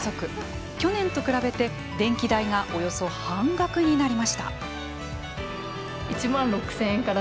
去年と比べて電気代がおよそ半額になりました。